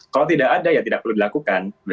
kalau tidak ada ya tidak perlu dilakukan